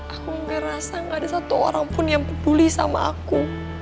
aku ngerasa gak ada satu orang pun yang peduli sama aku